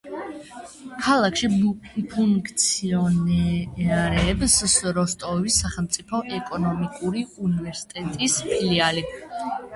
ქალაქში ფუნქციონირებს როსტოვის სახელმწიფო ეკონომიკური უნივერსიტეტის ფილიალი.